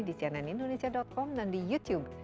di cnn indonesia com dan di youtube